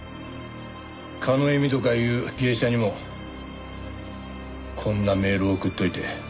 叶笑とかいう芸者にもこんなメールを送っておいて。